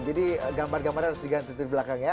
jadi gambar gambarnya harus diganti di belakang ya